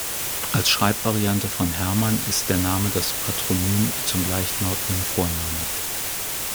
Als Schreibvariante von Hermann ist der Name das Patronym zum gleichlautenden Vornamen.